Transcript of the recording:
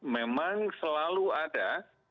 memang selalu ada